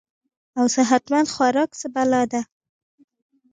او صحت مند خوراک څۀ بلا ده -